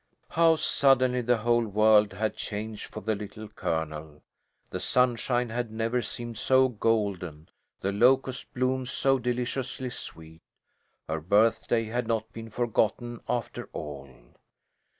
How suddenly the whole world had changed for the Little Colonel! The sunshine had never seemed so golden, the locust blooms so deliciously sweet. Her birthday had not been forgotten, after all.